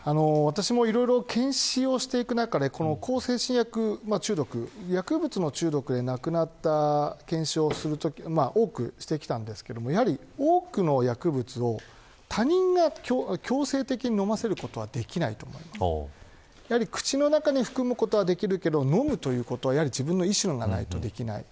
私も検死をしていく中で向精神薬中毒、薬物の中毒で亡くなった検視を多くしてきたんですけど多くの薬物を他人が強制的に飲ませることはできない口の中に含むことはできるけど飲むということは、やはり自分の意思がないとできない。